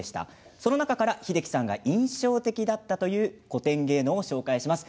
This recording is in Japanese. その中から英樹さんが印象的だったという古典芸能をご紹介します。